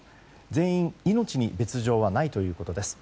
全員、命に別条はないということです。